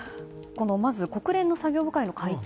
まず、国連の作業部会の会見